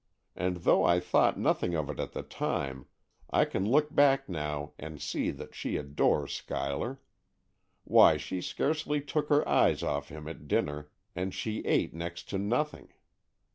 And, though I thought nothing of it at the time, I can look back now and see that she adores Schuyler. Why, she scarcely took her eyes off him at dinner, and she ate next to nothing.